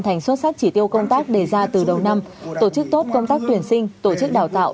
thành xuất sắc chỉ tiêu công tác đề ra từ đầu năm tổ chức tốt công tác tuyển sinh tổ chức đào tạo